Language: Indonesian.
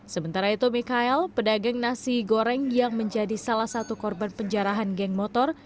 sementara itu mikhael pedagang nasi goreng yang menjadi salah satu korban penjarahan geng motor